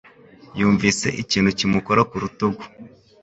Yumvise ikintu kimukora ku rutugu.